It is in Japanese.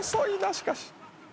しかし。